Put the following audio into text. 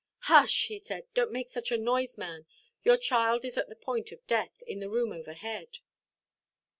"Hush," he said; "donʼt make such a noise, man. Your child is at the point of death, in the room overhead."